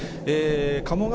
鴨川